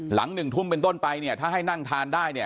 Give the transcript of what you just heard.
หลังหนึ่งทุ่มเป็นต้นไปเนี่ยถ้าให้นั่งทานได้เนี่ย